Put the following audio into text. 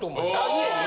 家に？